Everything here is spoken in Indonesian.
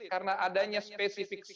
karena adanya spesifikasi